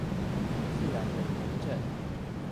自然人憑證